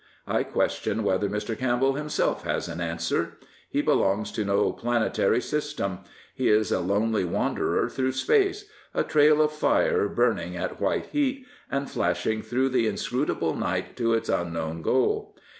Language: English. I question whether Mr. Campbell himself has an answer. He belongs to no planetary system. He is a lonely wanderer through space — a trail of fire burning at white heat, and flashing through the inscrutable night to its unknown goal.